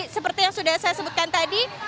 seperti yang sudah saya sebutkan tadi